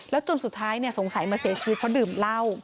จนสุดท้ายสงสัยมาเสียชีวิตเพราะดื่มเหล้า